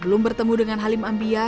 belum bertemu dengan halim ambia